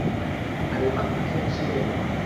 আর এই পাথর কীসের জন্য?